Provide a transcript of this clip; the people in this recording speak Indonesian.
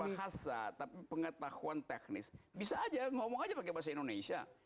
bukan sekedar persoalan bahasa tapi pengetahuan teknis bisa aja ngomong aja pakai bahasa indonesia